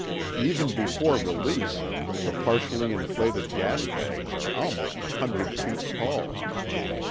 Even before release, the partially inflated gas bags are almost a hundred feet tall.